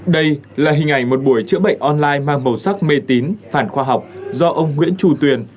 đây là hình ảnh một buổi chữa bệnh online mang màu sắc mê tín phản khoa học do ông nguyễn trù tuyền